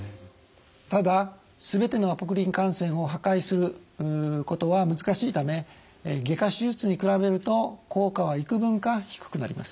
ただ全てのアポクリン汗腺を破壊することは難しいため外科手術に比べると効果は幾分か低くなります。